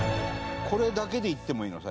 これだけでいってもいいの？